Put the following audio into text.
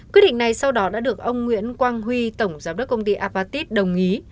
quyết định này sau đó đã được ông nguyễn quang huy tổng giám đốc công ty apatit đồng ý